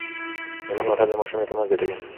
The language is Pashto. د مور ملاتړ د ماشوم اعتماد زياتوي.